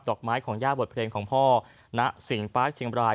อกไม้ของย่าบทเพลงของพ่อณสิงปาร์คเชียงบราย